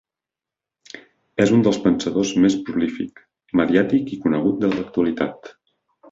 És un dels pensadors més prolífic, mediàtic i conegut de l'actualitat.